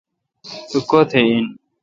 تو کوتھ این۔